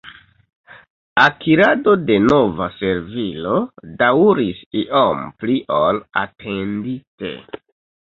Akirado de nova servilo daŭris iom pli ol atendite.